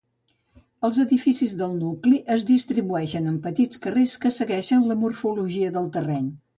Els edificis del nucli es distribueixen en petits carrers que segueixen la morfologia del terreny.